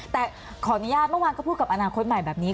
แต่ขออนุญาตเมื่อวานก็พูดกับอนาคตใหม่แบบนี้